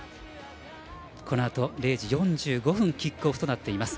このあと、０時４５分キックオフとなっています。